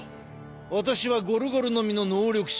私はゴルゴルの実の能力者。